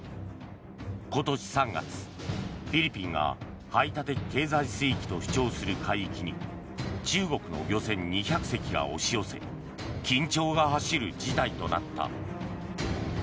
今年３月、フィリピンが排他的経済水域と主張する海域に中国の漁船２００隻が押し寄せ緊張が走る事態となった。